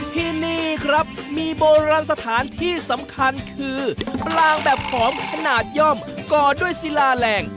ที่นี่ครับมีโบราณสถานที่สำคัญคือปลางแบบผอมขนาดย่อมก่อด้วยศิลาแรง